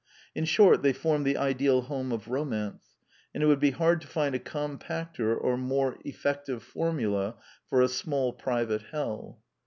In short, they form the ideal home of romance; and it would be hard to find a compacter or more effective formula for a small private hell.